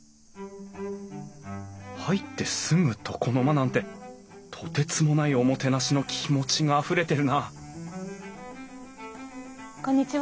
入ってすぐ床の間なんてとてつもないおもてなしの気持ちがあふれてるなこんにちは。